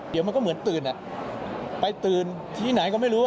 เดี๋ยวมันก็เหมือนตื่นไปตื่นที่ไหนก็ไม่รู้